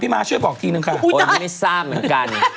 พี่ม้าช่วยบอกทีนึงค่ะ